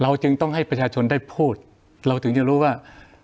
จึงต้องให้ประชาชนได้พูดเราถึงจะรู้ว่า